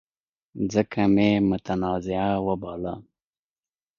ځکه مې متنازعه وباله.